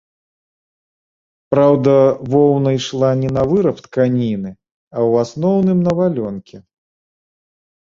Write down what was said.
Праўда, воўна ішла не на выраб тканіны, а ў асноўным на валёнкі.